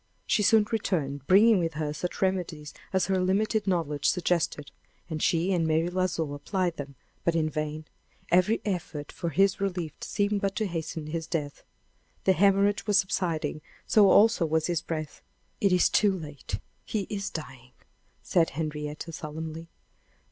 She soon returned, bringing with her such remedies as her limited knowledge suggested. And she and Mary L'Oiseau applied them; but in vain! Every effort for his relief seemed but to hasten his death. The hemorrhage was subsiding; so also was his breath. "It is too late; he is dying!" said Henrietta, solemnly.